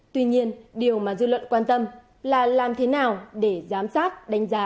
tuy nhiên điều mà dư luận quan tâm là làm thế nào để giám sát đánh giá